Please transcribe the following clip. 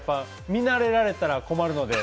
見慣れられたら困るので。